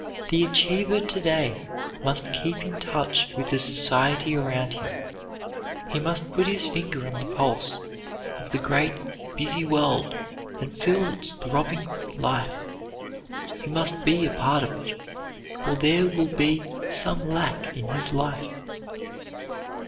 The achiever to day must keep in touch with the society around him; he must put his finger on the pulse of the great busy world and feel its throbbing life. He must be a part of it, or there will be some lack in his life.